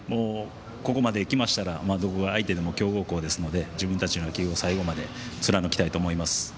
ここまできましたら相手が強豪校でも自分たちの野球を最後まで貫きたいと思います。